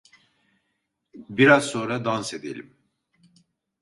Biraz sonra dans edelim!